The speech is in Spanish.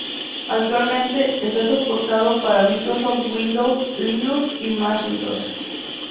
Actualmente está soportado para Microsoft Windows, Linux y Macintosh.